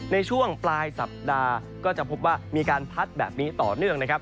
ในช่วงปลายสัปดาห์ก็จะพบว่ามีการพัดแบบนี้ต่อเนื่องนะครับ